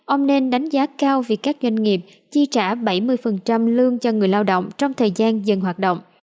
ông nên đánh giá cao việc các doanh nghiệp chi trả bảy mươi lương cho người lao động trong thời gian dừng hoạt động